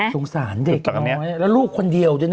สงสารเด็กน้องแล้วลูกคนเดียว